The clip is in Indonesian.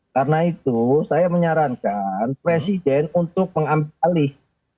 karena itu saya menyarankan presiden untuk mengambil alih